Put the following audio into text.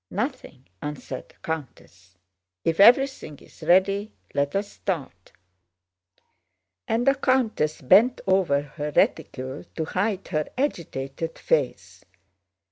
"Nothing," answered the countess. "If everything is ready let us start." And the countess bent over her reticule to hide her agitated face.